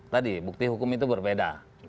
tadi bukti hukum itu berbeda